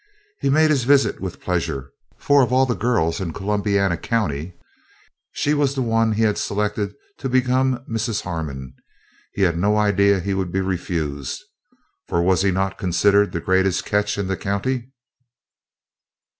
He made his visit with pleasure, for of all the girls in Columbiana County, she was the one he had selected to become Mrs. Harmon. He had no idea he would be refused, for was he not considered the greatest catch in the county?